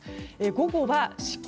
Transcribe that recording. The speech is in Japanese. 午後は四国、